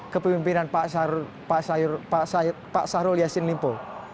kepemimpinan pak syarul yasin limpo